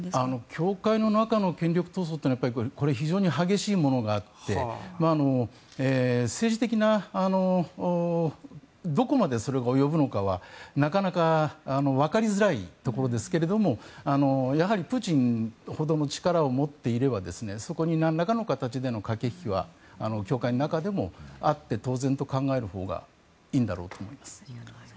教会の中の権力闘争はこれは非常に激しいものがあって政治的などこまでそれが及ぶのかはなかなかわかりづらいところですがやはりプーチンほどの力を持っていればそこになんらかの形での駆け引きは教会の中でもあって当然と考えるほうがいいだろうと思います。